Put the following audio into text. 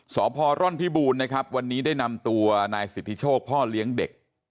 พร่อนพิบูรณ์นะครับวันนี้ได้นำตัวนายสิทธิโชคพ่อเลี้ยงเด็ก